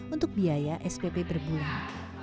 untuk biaya spp berbulan